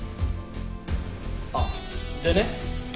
あっでね